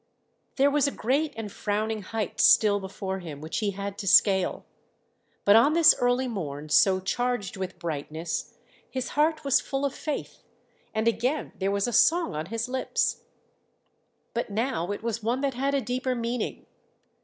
There was a great and frowning height still before him which he had to scale; but on this early morn so charged with brightness, his heart was full of faith, and again there was a song on his lips; but now it was one that had a deeper meaning.